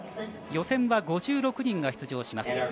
予選は５６人が出場します。